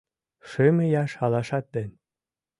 Шым ияш алашат ден